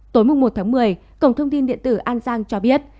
tối một tháng một mươi cổng thông tin điện tử an giang cho biết